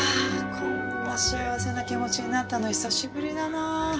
こんな幸せな気持ちになったの久しぶりだなあ。